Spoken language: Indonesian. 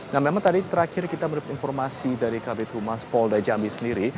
nah memang tadi terakhir kita mendapat informasi dari kabinet humas polda jambi sendiri